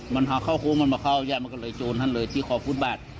มันหาเข้าโค้งมันมาเข้ายายมันก็เลยโจรท่านเลยที่ขอบฟุตบาท